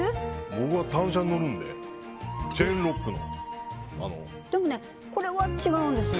僕は単車に乗るんでチェーンロックのあのでもねこれは違うんですよ